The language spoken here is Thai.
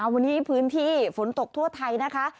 วันนี้ฝนไปฝนตกทั่วไทยนะคะ